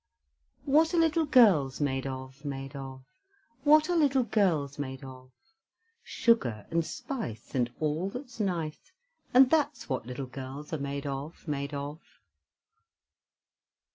What are little girls made of, made of? What are little girls made of? Sugar and spice, and all that's nice; And that's what little girls are made of, made of.